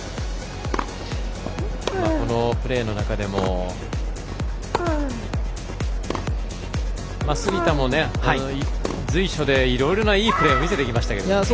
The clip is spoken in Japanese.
プレーの中でも杉田も随所でいろいろないいプレーを見せてきましたけどね。